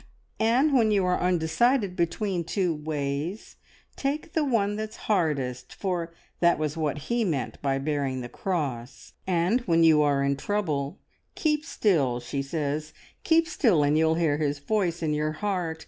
And when you are undecided between two ways, take the one that's hardest, for that was what He meant by bearing the cross; and when you are in trouble, keep still,' she says, `keep still, and you'll hear His voice in your heart.'